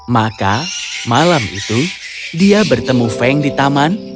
maka malam itu dia bertemu feng di taman